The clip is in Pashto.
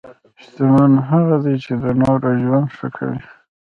شتمن هغه دی چې د نورو ژوند ښه کوي.